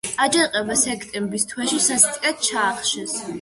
აჯანყება სექტემბრის თვეში სასტიკად ჩაახშეს.